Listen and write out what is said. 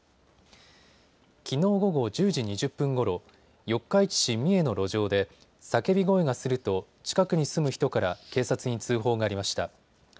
きのう午後１０時２０分ごろ、四日市市三重の路上で叫び声がすると近くに住む人から警察に通報がありました。